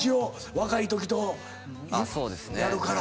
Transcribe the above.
若いときとやるから。